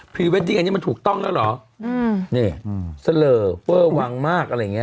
รีเวดดิ้งอันนี้มันถูกต้องแล้วเหรออืมนี่เสลอเวอร์วังมากอะไรอย่างเงี้